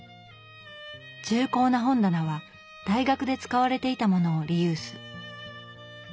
重厚な本棚は大学で使われていたものをリユース。